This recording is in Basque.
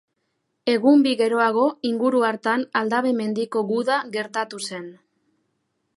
Egun bi geroago inguru hartan Aldabe mendiko guda gertatu zen.